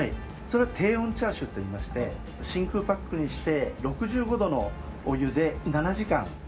それは低温チャーシューといいまして真空パックにして６５度のお湯で７時間。